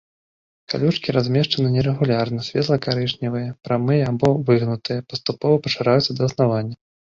Калючкі размешчаны нерэгулярна, светла-карычневыя, прамыя або выгнутыя, паступова пашыраюцца да аснавання.